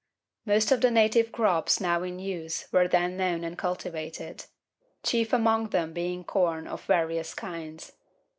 Most of the native crops now in use were then known and cultivated: chief among them being corn of various kinds.